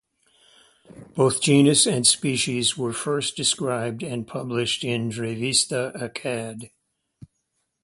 Both genus and species were first described and published in Revista Acad.